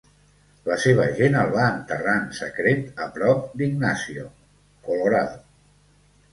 La seva gent el va enterrar en secret a prop d'Ignacio, Colorado.